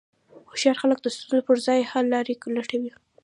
هوښیار خلک د ستونزو پر ځای حللارې لټوي.